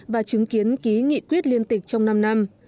và chứng kiến ký nghị quyết liên tịch trong năm năm